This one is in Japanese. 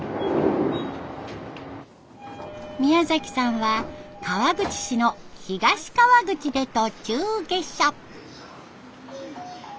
宮さんは川口市の東川口で途中下車。